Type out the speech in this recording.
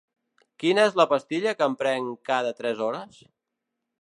quina és la pastilla que em prenc cada tres hores?